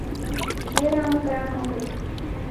Era un gran hombre.